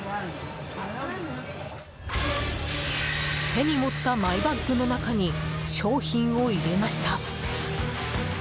手に持ったマイバッグの中に商品を入れました。